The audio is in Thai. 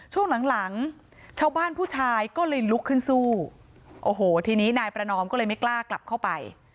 ช่วงหลังหลังชาวบ้านผู้ชายก็เลยลุกขึ้นสู้โอ้โหทีนี้นายประนอมก็เลยไม่กล้ากลับเข้าไป